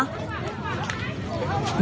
những hình ảnh bạo lực